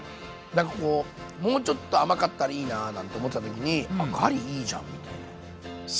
なんかこうもうちょっと甘かったらいいななんて思ってた時にあガリいいじゃんみたいな。最高だよ。